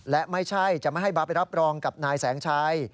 และไม่ใช่จะไม่ให้บาร์ไปรับรองกับนายแสงชัย